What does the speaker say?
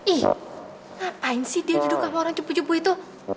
ih ngapain sih dia duduk sama orang jepu jepu itu